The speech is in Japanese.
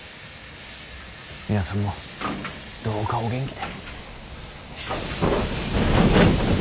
皆さんもどうかお元気で。